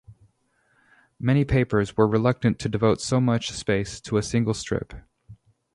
Many papers were reluctant to devote so much space to a single strip.